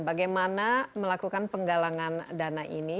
bagaimana melakukan penggalangan dana ini